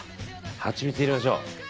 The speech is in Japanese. ハチミツ入れましょう。